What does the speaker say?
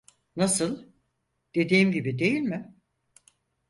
Nasıl, dediğim gibi değil mi?